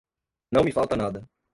não me falta nada.